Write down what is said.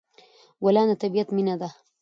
ګلان د طبیعت مینه ده.